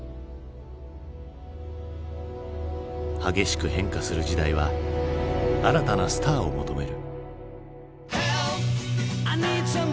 激しく変化する時代は新たなスターを求める。